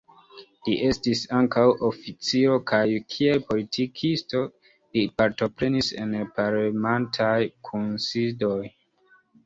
Li estis ankaŭ oficiro kaj kiel politikisto, li partoprenis en la parlamentaj kunsidoj.